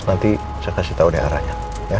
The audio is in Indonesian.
nanti saya kasih tau daerahnya